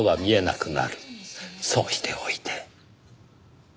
そうしておいて。